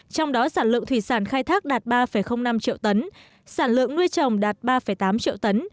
trong đó sản lượng thủy sản khai thác đạt ba năm triệu tấn sản lượng nuôi trồng đạt ba tám triệu tấn